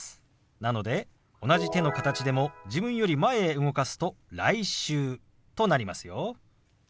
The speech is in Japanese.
なので同じ手の形でも自分より前へ動かすと「来週」となりますよ。